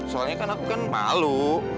soalnya kan aku kan malu